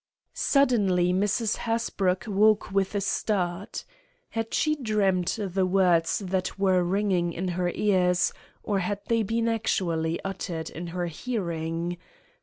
Suddenly Mrs. Hasbrouck woke with a start. Had she dreamed the words that were ringing in her ears, or had they been actually uttered in her hearing?